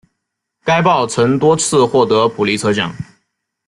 该报曾多次获得普利策奖。